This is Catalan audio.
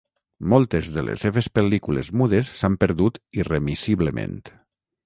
Moltes de les seves pel·lícules mudes s'han perdut irremissiblement.